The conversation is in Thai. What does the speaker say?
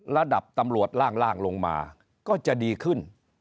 ระดับตำรวจล่างลงมาก็จะดีขึ้น